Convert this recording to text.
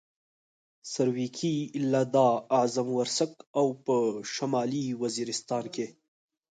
سرویکي، لدها، اعظم ورسک او په شمالي وزیرستان کې.